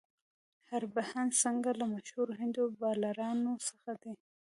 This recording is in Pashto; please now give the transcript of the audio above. هربهن سنګ له مشهورو هندي بالرانو څخه دئ.